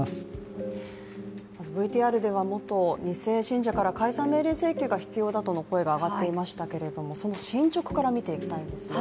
ＶＴＲでは元２世信者から解散命令請求が必要だとの声が上がっていましたがその進捗から見ていきたいんですが。